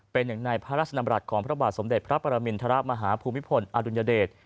เป็นหนึ่งในพระราชดำรัฐของพระบาทสมเด็จพระปรมินทรมาฮภูมิพลอดุลยเดช